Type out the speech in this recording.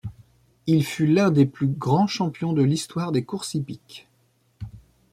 Il fut l’un des plus grands champions de l’histoire des courses hippiques.